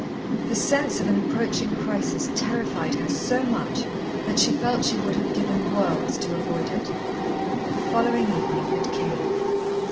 The sense of an approaching crisis terrified her so much that she felt she would have given worlds to avoid it. The following evening it came.